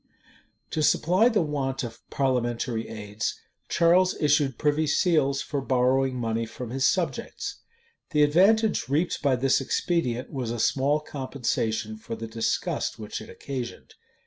To supply the want of parliamentary aids, Charles issued privy seals for borrowing money from his subjects.[*] The advantage reaped by this expedient was a small compensation for the disgust which it occasioned.